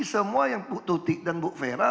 semua yang bu tutik dan bu vera